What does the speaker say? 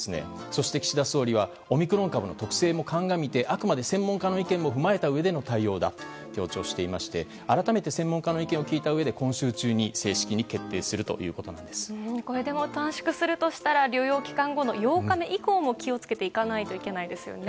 そして、岸田総理はオミクロン株の特性も鑑みてあくまで専門家の意見も踏まえたうえでの意見だと強調して改めて専門家の意見を聞いたうえで、今週中に短縮するとしたら療養期間後の８日目以降も気を付けないといけないです。